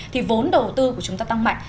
thì vốn đầu tư của chúng ta tăng mạnh